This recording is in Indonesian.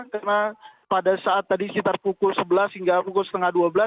karena pada saat tadi sekitar pukul sebelas hingga pukul setengah dua belas